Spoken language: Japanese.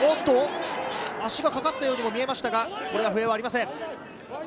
足がかかったようにも見えましたが、笛はありません。